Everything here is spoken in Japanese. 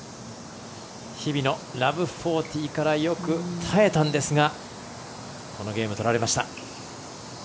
日比野、０−４０からよく耐えたんですがこのゲーム取られました。